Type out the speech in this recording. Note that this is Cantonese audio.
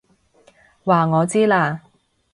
話我知啦！